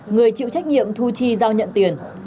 người chịu trách nhiệm thu chi giao nhận tiền